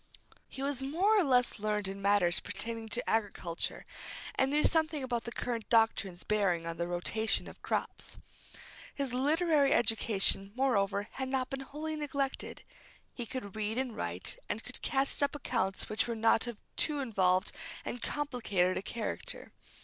He was more or less learned in matters pertaining to agriculture, and knew something about the current doctrines bearing on the rotation of crops. His literary education, moreover, had not been wholly neglected. He could read and write, and could cast up accounts which were not of too involved and complicated a character.